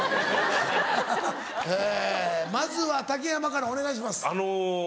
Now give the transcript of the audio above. えまずは竹山からお願いします。